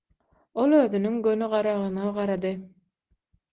Ol özüniň göni garagyna garady.